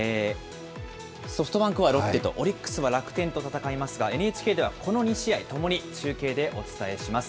ソフトバンクはロッテと、オリックスは楽天と戦いますが、ＮＨＫでは、この２試合ともに中継でお伝えします。